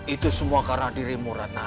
itu semua karena dirimu ratna